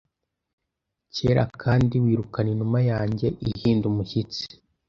kera Kandi wirukana Inuma yanjye ihinda umushyitsi